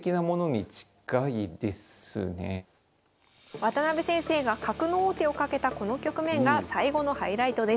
渡辺先生が角の王手をかけたこの局面が最後のハイライトです。